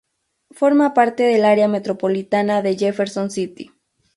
Forma parte del área metropolitana de Jefferson City.